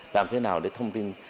làm thế nào để thông tin